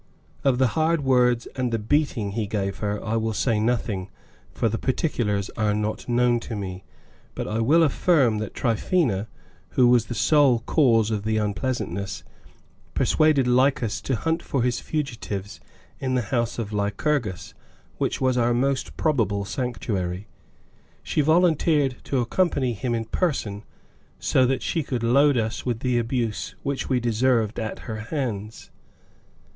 Of the hard words and the beating he gave her I will say nothing, for the particulars are not known to me, but I will affirm that Tryphaena, who was the sole cause of the unpleasantness, persuaded Lycas to hunt for his fugitives in the house of Lycurgus, which was our most probable sanctuary. She volunteered to accompany him in person, so that she could load us with the abuse which we deserved at her hands.